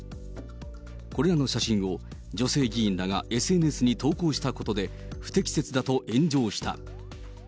これらの写真を女性議員らがＳＮＳに投稿したことで、不適切だと炎上した。